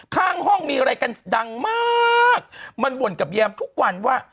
ข้างห้องมีอะไรกันดังมากมันบ่นกับแยมทุกวันว่า